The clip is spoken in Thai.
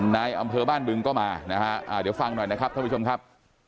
ในอำเภอบ้านบึงก็มานะฮะอ่าเดี๋ยวฟังหน่อยนะครับ